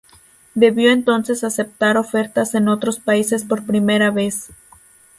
Debió entonces aceptar ofertas en otros países por primera vez.